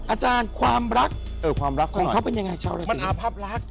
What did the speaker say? อาจารย์ความรักของเขาเป็นยังไงชาวราศีเออความรักหน่อย